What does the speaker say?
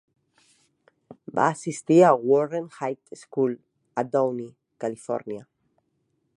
Va assistir a Warren High School a Downey, Califòrnia.